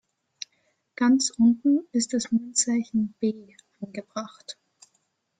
Ganz unten ist das Münzzeichen "B" angebracht.